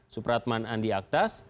supratman andi aktas